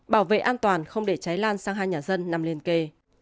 bảo vệ an toàn không để cháy lan sang hai nhà dân nằm liên kề